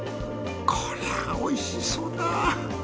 こりゃおいしそうだ。